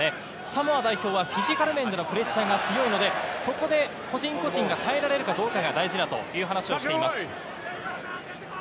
サモア代表はフィジカル面でのプレッシャーが強いので、そこで個人個人が耐えられるかどうかが大事だという話をしています。